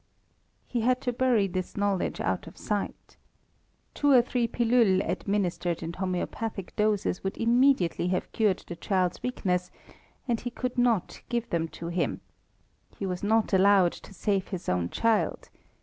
He had to bury his knowledge out of sight. Two or three pillules administered in homœopathic doses would immediately have cured the child's weakness, and he could not give them to him. He was not allowed to save his own child.